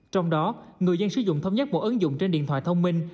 trong đó người dân sử dụng thống nhất một ứng dụng trên điện thoại thông minh